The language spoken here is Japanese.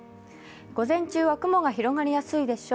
午前中は雲が広がりやすいでしょう。